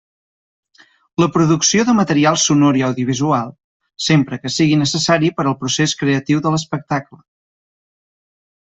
La producció de material sonor i audiovisual, sempre que sigui necessari per al procés creatiu de l'espectacle.